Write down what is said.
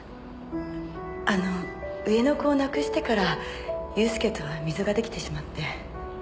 あの上の子を亡くしてから祐介とは溝が出来てしまって。